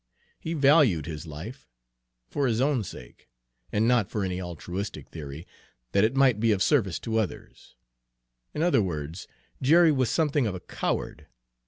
He valued his life for his own sake, and not for any altruistic theory that it might be of service to others. In other words, Jerry was something of a coward.